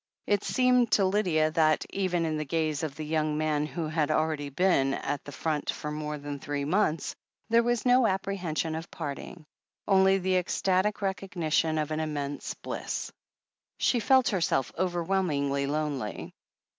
It seemed to Lydia that, even in the gaze of the young man who had already been at the front for more than three months, there was no apprehension of parting — only the ecstatic recognition of an immense bliss. She felt herself overwhelmingly lonely.